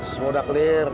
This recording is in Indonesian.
semua udah clear